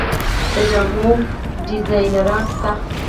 د جامو ډیزاینران شته؟